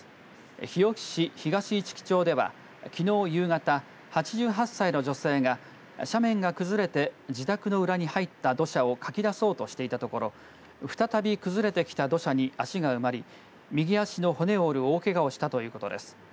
日置市東市来町ではきのう夕方、８８歳の女性が斜面が崩れて自宅の裏に入った土砂をかき出そうとしていたところ再び崩れてきた土砂に足が埋まり右足の骨を折る大けがをしたということです。